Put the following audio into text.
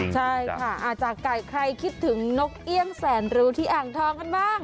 ใช่ค่ะจากไก่ใครคิดถึงนกเอี่ยงแสนรู้ที่อ่างทองกันบ้าง